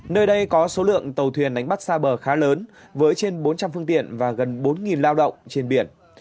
nơi đây có số lượng tàu thuyền đánh bắt xa bờ khá lớn với trên bốn trăm linh phương tiện và gần bốn lao động trên biển